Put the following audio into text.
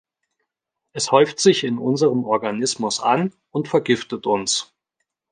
Es häuft sich in unserem Organismus an und vergiftet uns.